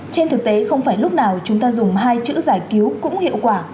trên thực tế không phải lúc nào chúng ta dùng hai chữ giải cứu cũng hiệu quả